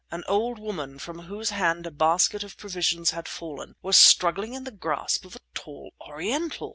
An old woman, from whose hand a basket of provisions had fallen, was struggling in the grasp of a tall Oriental!